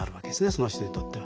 その人にとっては。